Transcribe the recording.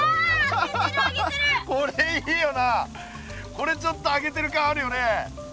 これちょっと揚げてる感あるよね。